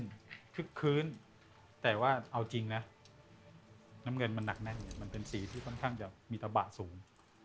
คึกคื้นแต่ว่าเอาจริงนะน้ำเงินมันหนักแน่นเนี่ยมันเป็นสีที่ค่อนข้างจะมีตะบะสูง